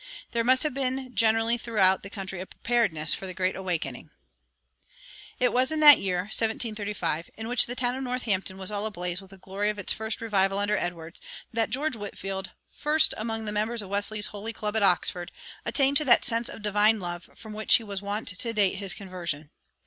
There must have been generally throughout the country a preparedness for the Great Awakening. It was in that year (1735) in which the town of Northampton was all ablaze with the glory of its first revival under Edwards that George Whitefield, first among the members of Wesley's "Holy Club" at Oxford, attained to that "sense of the divine love" from which he was wont to date his conversion.